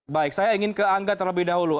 baik saya ingin ke angga terlebih dahulu